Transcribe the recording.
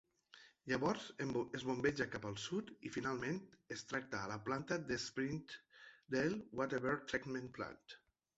Llavors, es bombeja cap al sud i, finalment, es tracta a la planta de Springdale Wastewater Treatment Plant.